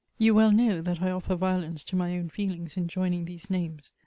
You well know, that I offer violence to my own feelings in joining these names.